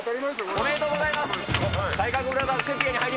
ありがとうございます。